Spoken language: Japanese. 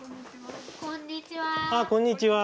あっこんにちは。